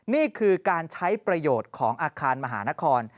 นี่คือการใช้ประโยชน์ของอาคารมหานคร